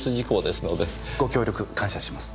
ご協力感謝します。